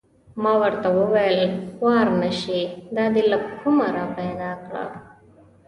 ما ورته و ویل: خوار نه شې دا دې له کومه را پیدا کړه؟